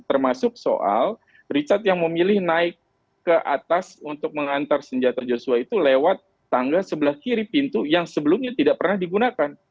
termasuk soal richard yang memilih naik ke atas untuk mengantar senjata joshua itu lewat tangga sebelah kiri pintu yang sebelumnya tidak pernah digunakan